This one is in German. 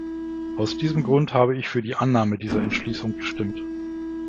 Aus diesem Grund habe ich für die Annahme dieser Entschließung gestimmt.